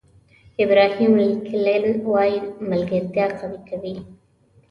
ابراهیم لینکلن وایي ملګرتیا قوي کوي.